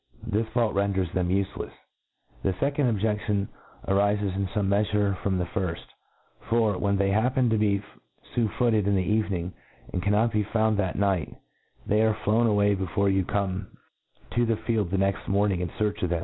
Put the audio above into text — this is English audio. This fault renders them ufe lefs. The fecond objeftion arifes in fome meafurc from the firft j for, when they happen to be fu* footcd in the evening, and cannot be found that pjght, they ^e flown away before you come to • th^ MODERN FAULCONEY. i6i i the field next morning in fearch of.